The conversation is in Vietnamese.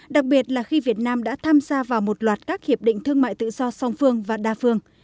đặc biệt là khi việt nam đã tham gia vào một loạt các hiệp định thương mại tự do song phương và đa phương